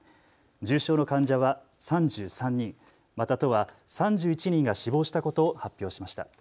重症の患者は３３人、また都は３１人が死亡したことを発表しました。